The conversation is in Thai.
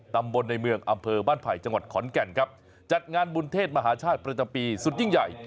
ตำบลในเมืองอำเภอบ้านไผ่จังหวัดขอนแก่นครับจัดงานบุญเทศมหาชาติประจำปีสุดยิ่งใหญ่